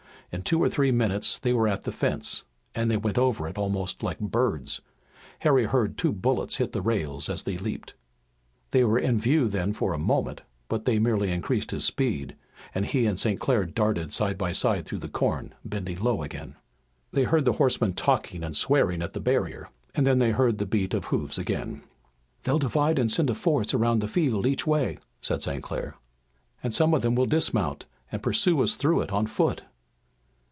In two or three minutes they were at the fence, and they went over it almost like birds. Harry heard two bullets hit the rails as they leaped they were in view then for a moment but they merely increased his speed, as he and St. Clair darted side by side through the corn, bending low again. They heard the horsemen talking and swearing at the barrier, and then they heard the beat of hoofs again. "They'll divide and send a force around the field each way!" said St. Clair. "And some of them will dismount and pursue us through it on foot!"